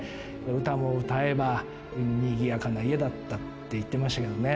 歌も歌えば、にぎやかな家だったって言ってましたけどね。